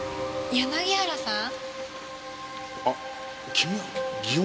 柳原さん